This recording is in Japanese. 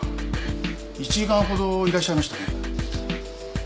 １時間ほどいらっしゃいましたね